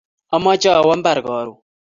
Amache awo mbar karun